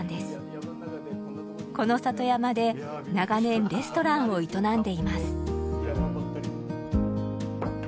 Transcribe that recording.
この里山で長年レストランを営んでいます。